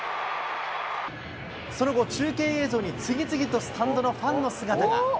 その後、中継映像に次々とスタンドのファンの姿が。